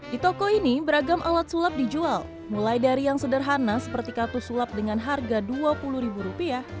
di toko ini beragam alat sulap dijual mulai dari yang sederhana seperti kartu sulap dengan harga rp dua puluh